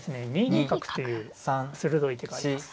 ２二角という鋭い手があります。